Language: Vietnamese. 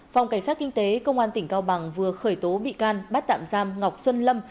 phòng cảnh sát kinh tế công an tỉnh cao bằng vừa khởi tố bị can bắt tạm giam ngọc xuân lâm